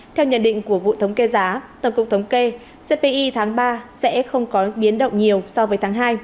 theo nhận định của vụ thống kê giá tổng cục thống kê cpi tháng ba sẽ không có biến động nhiều so với tháng hai